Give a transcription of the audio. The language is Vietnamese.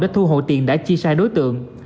để thu hộ tiền đã chi sai đối tượng